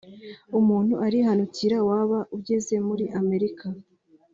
umuntu arihanukira waba ugeze muri Amerika